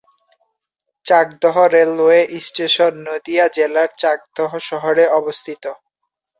Chakdaha railway station Nadia জেলার চাকদহ শহরে অবস্থিত।